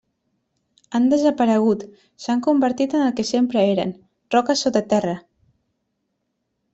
Han desaparegut, s'han convertit en el que sempre eren, roques sota terra.